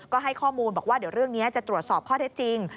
ก็ให้ข้อมูลบอกว่าเดี๋ยวเรื่องนี้จะตรวจสอบข้อเท็จจริง